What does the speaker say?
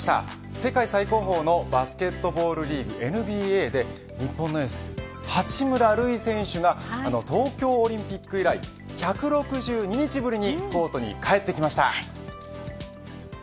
世界最高峰のバスケットボールリーグＮＢＡで、日本のエース八村塁選手が東京オリンピック以来１６２日ぶりにコートに帰ってきました。